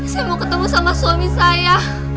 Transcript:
saya mau ketemu sama suami saya